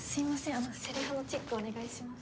あのセリフのチェックお願いします。